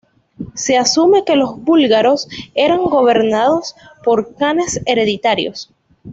Se asume que los búlgaros eran gobernados por kanes hereditarios.